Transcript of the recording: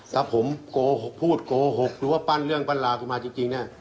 ถ้าผมพูดโกหกหรือว่าปั้นเรื่องปั้นลากูมาจริงเนี่ย